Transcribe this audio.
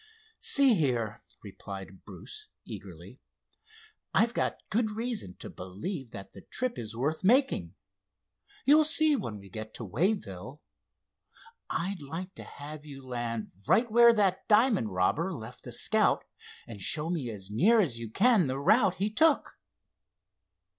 "See here," replied Bruce eagerly, "I've got good reason to believe that the trip is worth making. You'll see when we get to Wayville. I'd like to have you land right where that diamond robber left the Scout and show me as near as you can the route he took."